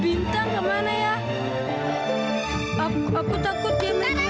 bintang kemana ya aku takut dia menjelang